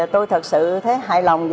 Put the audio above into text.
tôi thật sự thấy hài lòng